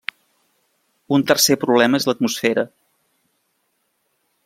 Un tercer problema és l'atmosfera.